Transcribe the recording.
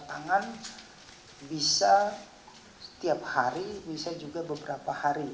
tangan bisa setiap hari bisa juga beberapa hari